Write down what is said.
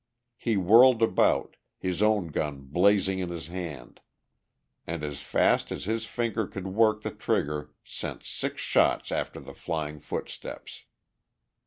He whirled about, his own gun blazing in his hand, and as fast as his finger could work the trigger sent six shots after the flying footsteps.